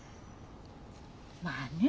まあね